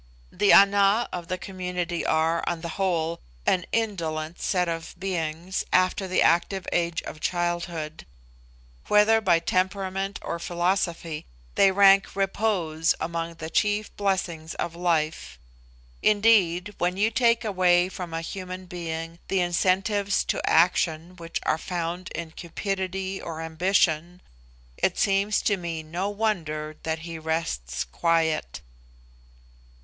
The Ana of the community are, on the whole, an indolent set of beings after the active age of childhood. Whether by temperament or philosophy, they rank repose among the chief blessings of life. Indeed, when you take away from a human being the incentives to action which are found in cupidity or ambition, it seems to me no wonder that he rests quiet.